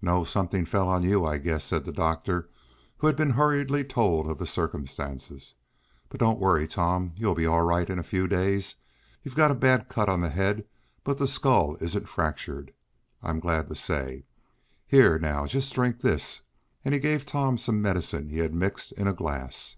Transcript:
"No, something fell on you, I guess," said the doctor, who had been hurriedly told of the circumstances. "But don't worry, Tom. You'll be all right in a few days. You got a bad cut on the head, but the skull isn't fractured, I'm glad to say. Here, now, just drink this," and he gave Tom some medicine he had mixed in a glass.